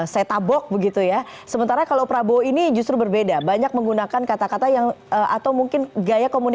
saya pikir tidak ada bedanya dua sosok tersebut